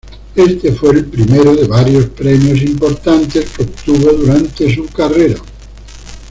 Este fue el primero de varios premios importantes que obtuvo durante su carrera.